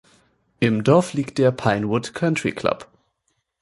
Im Dorf liegt der "Pinewood Country Club".